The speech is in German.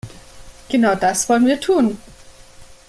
Genau das wollen wir tun.